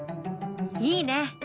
いいね。